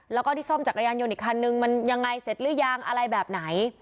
แล้วก็ที่ซ่อมจักรยานยนต์อีกคันนึงมันยังไงเสร็จหรือยังอะไรแบบไหน